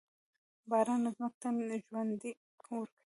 باران ځمکې ته ژوند ورکوي.